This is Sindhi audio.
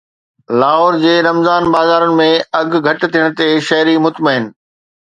لاهور جي رمضان بازارن ۾ اگهه گهٽ ٿيڻ تي شهري مطمئن